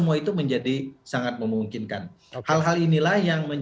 untuk jadi penduduk dan kita beruntunge